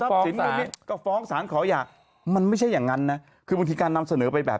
สินแบบนี้ก็ฟ้องสารขอหย่ามันไม่ใช่อย่างนั้นนะคือบางทีการนำเสนอไปแบบ